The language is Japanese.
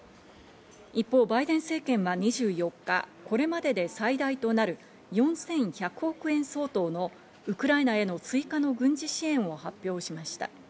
一方、バイデン政権は２４日、これまでで最大となる４１００億円相当のウクライナへの追加の軍事支援を発表しました。